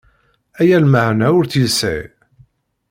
Aya lmeɛna ur tt-yesɛi.